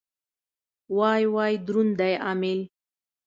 وای وای دروند دی امېل.